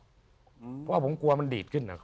เพราะผมกลัวมันดีดขึ้น